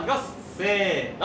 せの！